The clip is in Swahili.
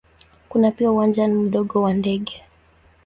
Kuna pia uwanja mdogo wa ndege.